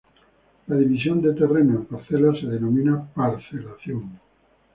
La división de terrenos en parcelas se denomina parcelación.